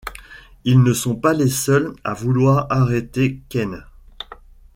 Ils ne sont pas les seuls à vouloir arrêter Kaine.